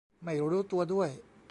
ไม่รู้ตัวด้วย